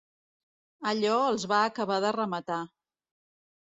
Allò els va acabar de rematar.